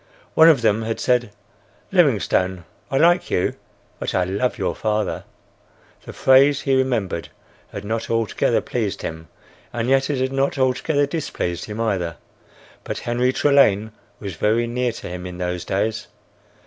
One of them had said, "Livingstone, I like you, but I love your father." The phrase, he remembered, had not altogether pleased him, and yet it had not altogether displeased him either. But Henry Trelane was very near to him in those days.